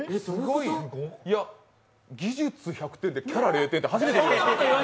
技術１００点でキャラ０点って初めて。